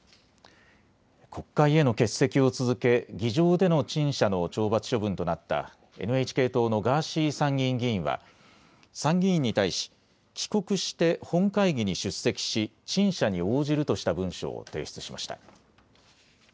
国会への欠席を続け議場での陳謝の懲罰処分となったＮＨＫ党のガーシー参議院議員は参議院に対し帰国して本会議に出席し陳謝に応じるとした文書を提出しました。